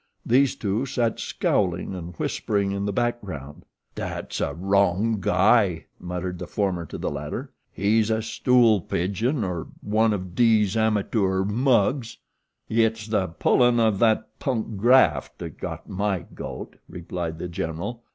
These two sat scowling and whispering in the back ground. "Dat's a wrong guy," muttered the former to the latter. "He's a stool pigeon or one of dese amatoor mugs." "It's the pullin' of that punk graft that got my goat," replied The General.